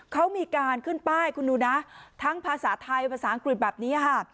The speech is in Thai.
เขามีการขึ้นป้ายคุณดูนะทั้งภาษาไทยภาษาอังกฤษแบบนี้ค่ะ